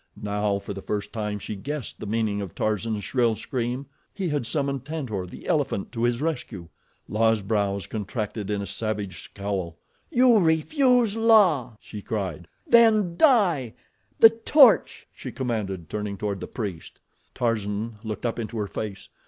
Now, for the first time, she guessed the meaning of Tarzan's shrill scream—he had summoned Tantor, the elephant, to his rescue! La's brows contracted in a savage scowl. "You refuse La!" she cried. "Then die! The torch!" she commanded, turning toward the priest. Tarzan looked up into her face.